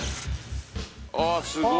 あっすごい！